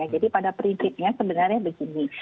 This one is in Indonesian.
jadi pada prinsipnya sebenarnya begini